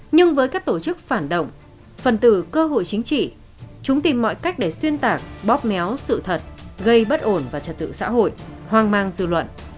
nhưng với các tổ chức phản động phần tử cơ hội chính trị chúng tìm mọi cách để xuyên tạc bóp méo sự thật gây bất ổn và trật tự xã hội hoang mang dư luận